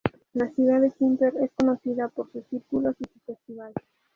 La ciudad de Quimper es conocida por sus círculos y su festival.